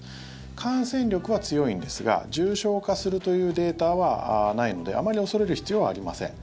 感染力は強いんですが重症化するというデータはないのであまり恐れる必要はありません。